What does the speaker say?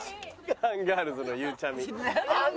アンガールズのゆうちゃみ。